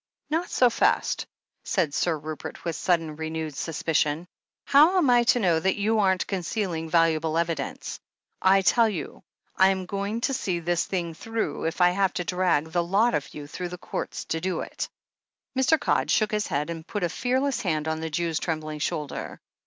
"Not so fast," said Sir Rupert with sudden, renewed suspicion. "How am I to know that you aren't con cealing valuable evidence ? I tell you, I'm going to see THE HEEL OF ACHILLES 305 this thing through if I have to drag the lot of you through the Courts to do it." Mr. Codd shook his head, and put a fearless hand on the Jew's trembling shoulder.